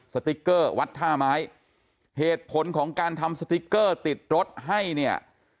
สติ๊กเกอร์วัดท่าไม้เหตุผลของการทำสติ๊กเกอร์ติดรถให้เนี่ย